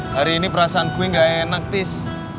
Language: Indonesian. hari ini perasaan gue gak enak tis